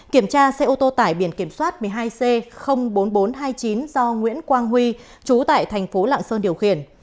kiểm tra xe ô tô tải biển kiểm soát một mươi hai c bốn nghìn bốn trăm hai mươi chín do nguyễn quang huy chú tại thành phố lạng sơn điều khiển